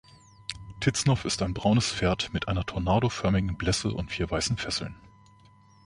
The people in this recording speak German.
Tiznow ist ein braunes Pferd mit einer tornadoförmigen Blesse und vier weißen Fesseln.